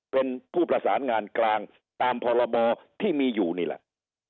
เป็นผู้ประสานงานกลางตามพรบที่มีอยู่นี่แหละ